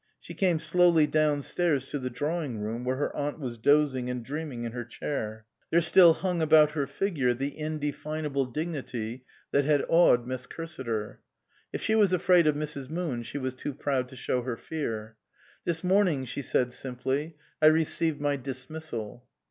She came slowly downstairs to the drawing room where her aunt was dozing and dreaming in her chair. There still hung about her figure the 320 MISS QUINCEY STANDS BACK indefinable dignity that had awed Miss Cursiter. If she was afraid of Mrs. Moon she was too proud to show her fear. " This morning," she said simply, " I received my dismissal."